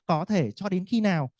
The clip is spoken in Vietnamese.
có thể cho đến khi nào